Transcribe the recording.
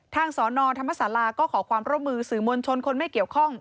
สอนอธรรมศาลาก็ขอความร่วมมือสื่อมวลชนคนไม่เกี่ยวข้อง